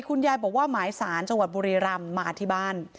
คุณยายบอกว่าหมายสารจังหวัดบุรีรำมาที่บ้าน